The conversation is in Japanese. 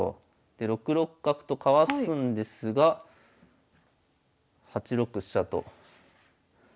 で６六角とかわすんですが８六飛車と。